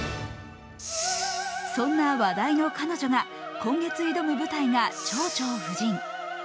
そんな話題の彼女が今月挑む舞台が「蝶々夫人」。